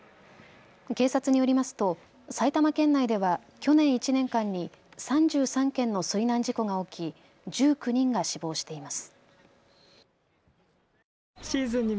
警察によりますと埼玉県内では去年１年間に３３件の水難事故が起き１９人が死亡しています。